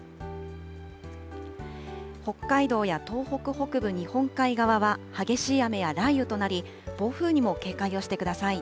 北海道や東北北部日本海側は、激しい雨や雷雨となり、暴風にも警戒をしてください。